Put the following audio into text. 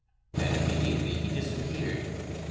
And immediately he disappeared.